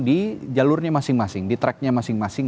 di jalurnya masing masing di tracknya masing masing